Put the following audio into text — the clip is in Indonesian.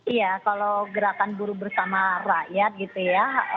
iya kalau gerakan buruh bersama rakyat gitu ya